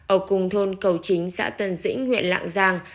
ở cùng thôn cầu chính xã tân dĩnh huyện lạng giang